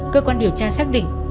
cơ quan điều tra xác định